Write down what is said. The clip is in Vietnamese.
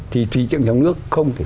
thì thị trường trong nước không thể qua